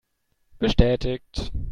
Bestätigt!